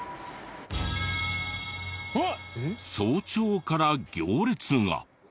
早朝から行列が。